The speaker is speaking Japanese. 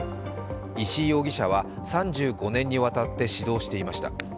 石井容疑者は３５年にわたって指導していました。